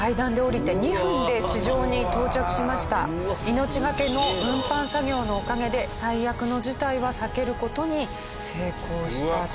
命がけの運搬作業のおかげで最悪の事態は避ける事に成功したそうです。